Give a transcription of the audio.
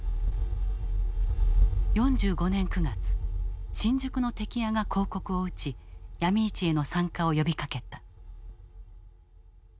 ４５年９月新宿のテキ屋が広告を打ちヤミ市への参加を呼びかけた。